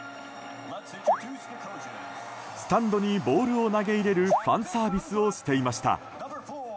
スタンドにボールを投げ入れるファンサービスをしていました。